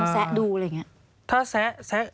สวัสดีค่ะที่จอมฝันครับ